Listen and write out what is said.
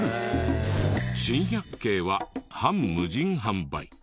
珍百景は半無人販売。